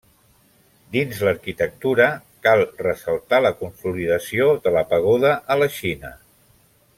Dins l'arquitectura, cal ressaltar la consolidació de la pagoda a la Xina.